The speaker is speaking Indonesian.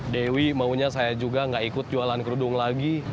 dewi maunya saya juga nggak ikut jualan kerudung lagi